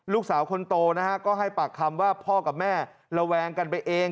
ลูกสาวคนโตนะฮะก็ให้ปากคำว่าพ่อกับแม่ระแวงกันไปเอง